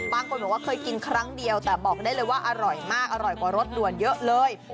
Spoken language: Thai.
บางคนบอกว่าเคยกินครั้งเดียวแต่บอกได้เลยว่าอร่อยมากอร่อยกว่ารสด่วนเยอะเลย